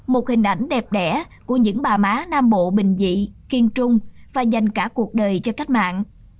một hình ảnh đẹp đẻ của những bà má nam bộ bình dị kiên trung và dành cả cuộc đời cho cách mạng